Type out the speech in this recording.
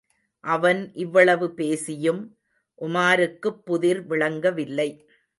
அவன் இவ்வளவு பேசியும் உமாருக்குப் புதிர் விளங்கவில்லை.